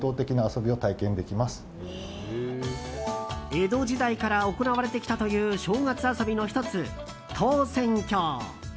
江戸時代から行われてきたという正月遊びの１つ、投扇興。